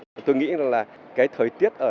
thì tôi nghĩ là cái thời tiết ở